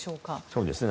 そうですね。